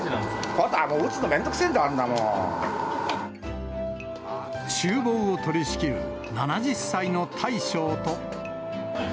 打つのめんどくせえんだ、ちゅう房を取り仕切る７０歳の大将と。